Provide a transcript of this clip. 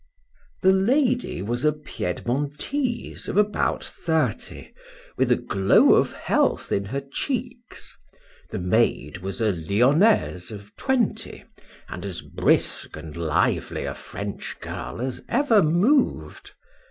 The lady was a Piedmontese of about thirty, with a glow of health in her cheeks. The maid was a Lyonoise of twenty, and as brisk and lively a French girl as ever moved.